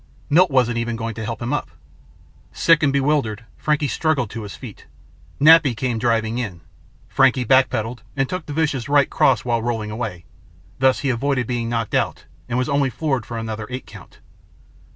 Milt wasn't even going to help him up. Sick and bewildered, Frankie struggled to his feet. Nappy came driving in. Frankie back pedalled and took the vicious right cross while rolling away. Thus he avoided being knocked out and was only floored for another eight count.